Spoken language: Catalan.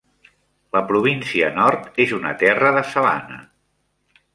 La Província Nord és una terra de sabana.